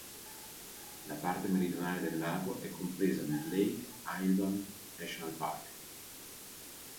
La parte meridionale del lago è compresa nel Lake-Eildon-Nationalpark.